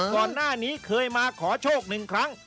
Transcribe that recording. ก่อนหน้านี้เคยมาขอโชคหนึ่งครั้ง